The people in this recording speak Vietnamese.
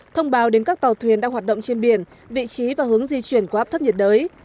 thông báo đến các tàu thuyền đang hoạt động trên biển vị trí và hướng di chuyển của áp thấp nhiệt đới